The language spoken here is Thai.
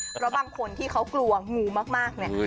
เพราะบางคนที่เขากลัวงูมากเนี่ย